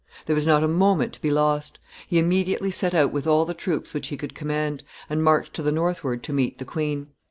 There was not a moment to be lost. He immediately set out with all the troops which he could command, and marched to the northward to meet the queen.